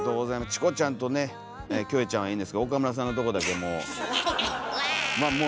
チコちゃんとねキョエちゃんはいいんですが岡村さんのとこだけもう。